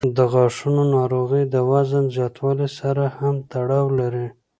د غاښونو ناروغۍ د وزن زیاتوالي سره هم تړاو لري.